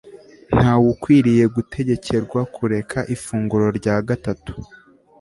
Nta Wukwiriye Gutegekerwa Kureka Ifunguro rya Gatatu